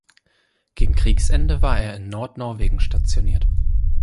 Gegen Kriegsende war er in Nord-Norwegen stationiert.